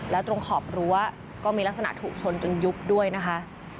แล้วตรงขอบรั้วก็มีลักษณะถูกชนจนยุบด้วยนะคะ